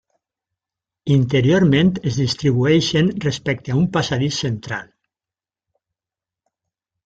Interiorment es distribueixen respecte a un passadís central.